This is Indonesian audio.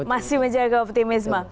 masih menjaga optimisme